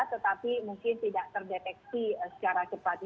tetapi mungkin tidak terdeteksi secara cepat